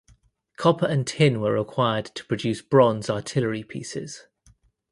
Copper and tin were required to produce bronze artillery pieces.